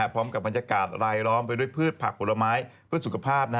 พร้อมกับบรรยากาศรายล้อมไปด้วยพืชผักผลไม้เพื่อสุขภาพ